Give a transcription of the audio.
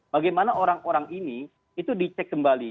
bagaimana orang orang ini itu dicek kembali